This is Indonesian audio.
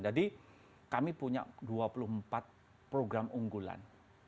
jadi kami punya dua puluh empat program unggulan